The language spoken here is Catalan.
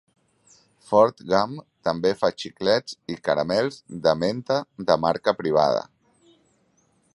Ford Gum també fa xiclets i caramels de menta de marca privada.